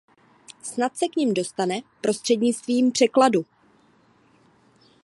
Snad se k nim dostane prostřednictvím překladu.